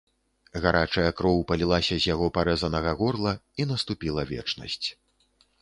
Гарачая кроў палілася з яго парэзанага горла, і наступіла вечнасць.